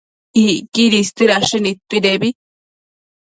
Icquidi istuidashi nidtuidebi